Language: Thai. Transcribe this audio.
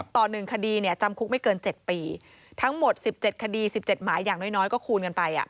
ต่อ๑คดีจำคุกไม่เกิน๗ปีทั้งหมด๑๗คดี๑๗หมายอย่างน้อยก็คูณกันไป